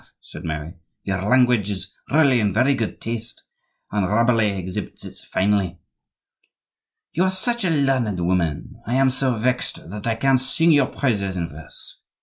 said Mary, "your language is really in very good taste, and Rabelais exhibits it finely." "You are such a learned woman! I am so vexed that I can't sing your praises in verse.